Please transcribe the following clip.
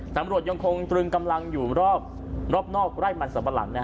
ตำรวจยังคงตรึงกำลังอยู่รอบนอกไร่มันสับปะหลัง